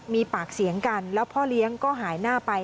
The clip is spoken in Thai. มีปากเสียงกันแล้วพ่อเลี้ยงก็หายหน้าไป